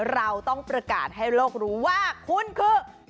เราต้องประกาศให้โลกรู้ว่าคุณคือ